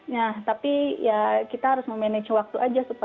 nah tapi ya kita harus memanage waktu aja